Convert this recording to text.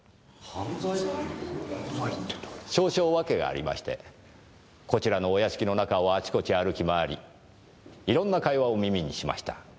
少々訳がありましてこちらのお屋敷の中をあちこち歩き回りいろんな会話を耳にしました。